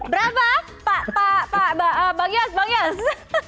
berapa bang yos